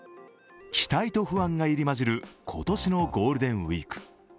期待と不安が入り交じる今年のゴールデンウイーク。